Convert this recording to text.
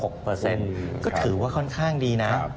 ก็ถือว่าค่อนข้างดีนะ